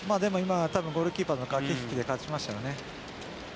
ゴールキーパーの駆け引きで勝ちましたよね。